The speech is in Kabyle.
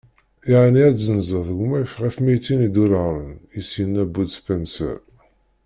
Yeɛni ad tezzenzeḍ gma-k ɣef mitin idularen? i s-yenna Bud Spencer.